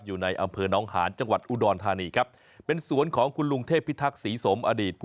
อยู่ในอำเภอน้องหานจังหวัดอุดรธานีครับเป็นสวนของคุณลุงเทพิทักษีสมอดีตผู้